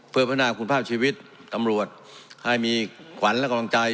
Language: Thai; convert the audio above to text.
เพ้อพัฒนาคุณภาพชีวิตแต่กำรวจให้มีควัญและกลับจ่าย